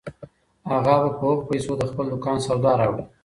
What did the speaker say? اغا به په هغو پیسو د خپل دوکان سودا راوړي.